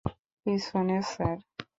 পিছনে, স্যার।